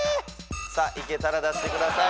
いけたら出してください